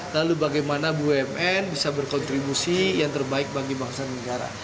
lalu bagaimana bumn bisa berkontribusi yang terbaik bagi bangsa dan negara